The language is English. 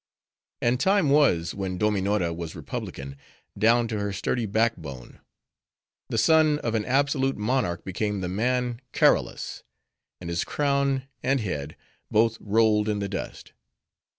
"And time was, when Dominora was republican, down to her sturdy back bone. The son of an absolute monarch became the man Karolus; and his crown and head, both rolled in the dust.